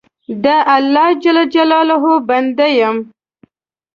د الله جل جلاله بنده یم.